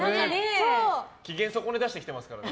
機嫌損ね出してますからね。